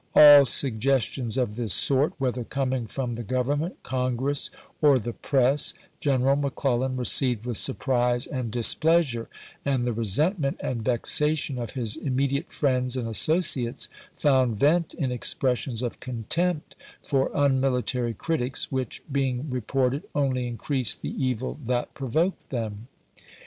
All sug gestions of this sort, whether coming from the Grovernment, Congress, or the press, General Mc Clellan received with surprise and displeasure ; and the resentment and vexation of his immediate friends and associates found vent in expressions of contempt for unmilitary critics, which, being re ported, only increased the evil that provoked them.